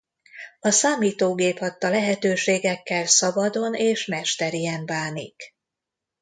A számítógép adta lehetőségekkel szabadon és mesterien bánik.